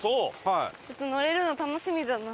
ちょっと乗れるの楽しみだな。